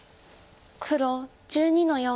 黒１２の四。